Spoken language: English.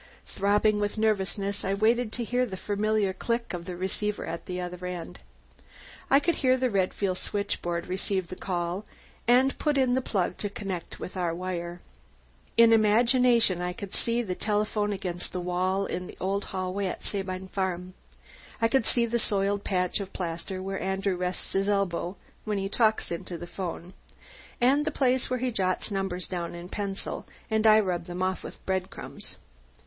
Throbbing with nervousness I waited to hear the familiar click of the receiver at the other end. I could hear the Redfield switchboard receive the call, and put in the plug to connect with our wire. In imagination I could see the telephone against the wall in the old hallway at Sabine Farm. I could see the soiled patch of plaster where Andrew rests his elbow when he talks into the 'phone, and the place where he jots numbers down in pencil and I rub them off with bread crumbs.